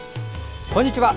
こんにちは。